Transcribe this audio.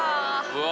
うわ